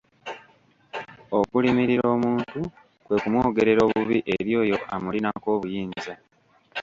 Okulimirira omuntu kwe kumwogerera obubi eri oyo amulinako obuyinza.